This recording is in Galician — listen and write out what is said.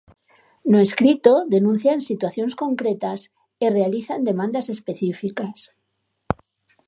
No escrito denuncian situacións concretas e realizan demandas específicas.